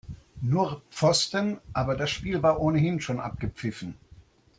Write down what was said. Nur Pfosten, aber das Spiel war ohnehin schon abgepfiffen.